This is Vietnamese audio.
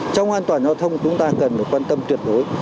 trong an toàn giao thông chúng ta cần phải quan tâm tuyệt đối